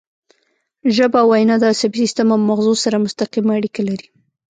ژبه او وینا د عصبي سیستم او مغزو سره مستقیمه اړیکه لري